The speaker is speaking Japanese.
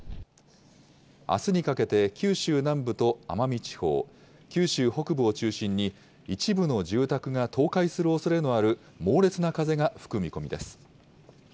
あすにかけて九州南部と奄美地方、九州北部を中心に一部の住宅が倒壊するおそれのある猛烈な風が吹く見込みです。